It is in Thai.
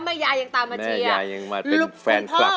แม่ยายังมาเป็นแฟนคลับ